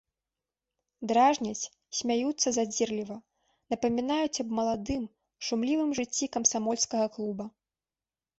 Дражняць, смяюцца задзірліва, напамінаюць аб маладым, шумлівым жыцці камсамольскага клуба.